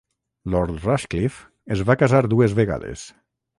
Lord Rushcliffe es va casar dues vegades.